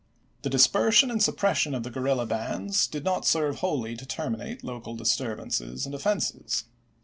The dispersion and suppression of the guerrilla bands did not serve whoUy to terminate local disturbances and offenses.